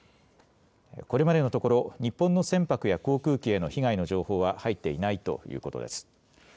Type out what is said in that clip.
これまでのところ、日本の船舶や航空機への被害の情報は入っていないということです。